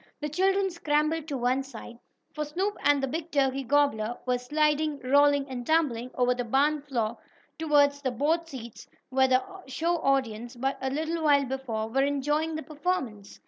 The children scrambled to one side, for Snoop and the big turkey gobbler were sliding, rolling and tumbling over the barn floor toward the board seats where the show audience, but a little while before, were enjoying the performance.